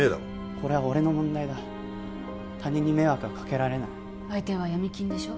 これは俺の問題だ他人に迷惑はかけられない相手はヤミ金でしょ？